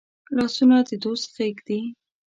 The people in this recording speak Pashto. لاسونه د دوست غېږ دي